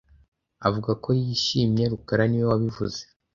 Avuga ko yishimye rukara niwe wabivuze